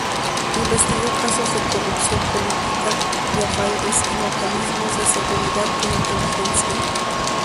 Investigó casos de corrupción política y affaires en organismos de seguridad e inteligencia.